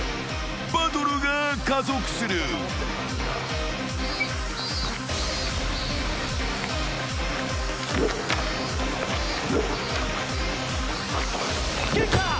［バトルが加速する］撃破！